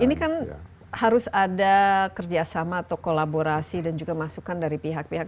ini kan harus ada kerjasama atau kolaborasi dan juga masukan dari pihak pihak